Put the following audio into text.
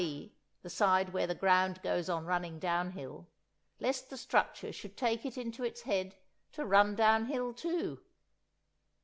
e. the side where the ground goes on running downhill), lest the structure should take it into its head to run down hill too!